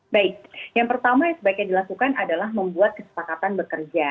baik yang pertama yang sebaiknya dilakukan adalah membuat kesepakatan bekerja